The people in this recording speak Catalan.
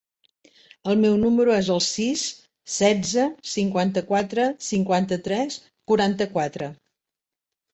El meu número es el sis, setze, cinquanta-quatre, cinquanta-tres, quaranta-quatre.